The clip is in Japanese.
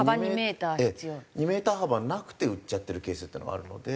２メーター幅なくて売っちゃってるケースっていうのがあるので。